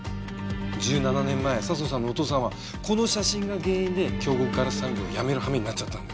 １７年前佐相さんのお父さんはこの写真が原因で京極硝子産業を辞める羽目になっちゃったんだ。